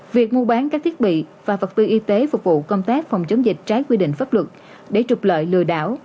việc mua bán các thiết bị và vật tư y tế phục vụ công tác phòng chống dịch trái quy định pháp luật để trục lợi lừa đảo